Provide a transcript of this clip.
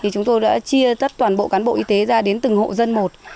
chúng tôi đã chia tất toàn bộ cán bộ y tế ra đến từng hộ dân một